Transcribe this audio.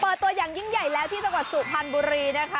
ตัวอย่างยิ่งใหญ่แล้วที่จังหวัดสุพรรณบุรีนะคะ